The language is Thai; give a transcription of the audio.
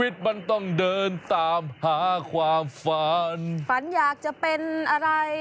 ฝันอยากจะเป็นอะไร